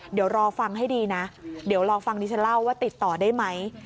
เดี๋ยวรอฟังให้ดีนะเดี๋ยวรอฟังดิฉันเล่าว่าติดต่อได้ไหม